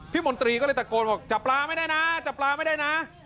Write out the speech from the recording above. มนตรีก็เลยตะโกนบอกจับปลาไม่ได้นะจับปลาไม่ได้นะ